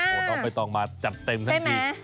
โอ้โหต้องไปต่อมาจัดเต็มทั้งที